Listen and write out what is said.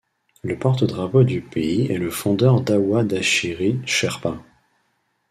Le porte-drapeau du pays est le fondeur Dawa Dachhiri Sherpa.